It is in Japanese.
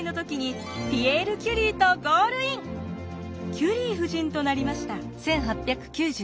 キュリー夫人となりました。